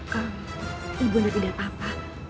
kanda ibu nda tidak apa apa